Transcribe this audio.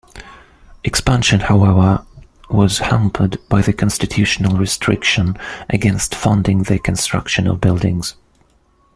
Expansion, however, was hampered by the constitutional restriction against funding the construction of buildings.